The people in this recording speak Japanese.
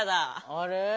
あれ？